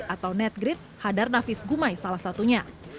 atau netgrid hadar nafis gumay salah satunya